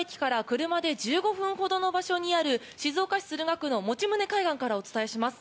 ＪＲ静岡駅から車で１５分ほどの場所にある静岡市駿河区の用宗海岸からお伝えします。